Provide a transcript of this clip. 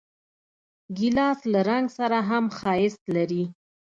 ګیلاس له رنګ سره هم ښایست لري.